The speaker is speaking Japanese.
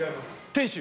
店主？